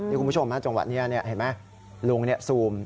นี่คุณผู้ชมฮะจังหวะนี้เห็นไหมลุงซูม